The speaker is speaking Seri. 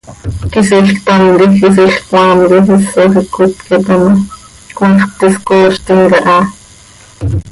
Quisiil ctam quij quisiil cmaam quij isoj iic cöitqueepe ma, cmaax pti scooztim caha.